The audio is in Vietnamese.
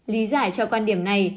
lý giải cho quan điểm này